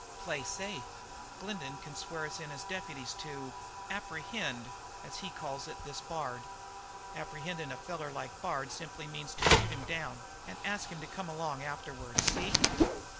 "Play safe. Glendin can swear us in as deputies to 'apprehend,' as he calls it, this Bard. Apprehendin' a feller like Bard simply means to shoot him down and ask him to come along afterward, see?"